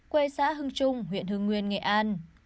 quê xã hưng trung huyện hưng nguyên nghệ an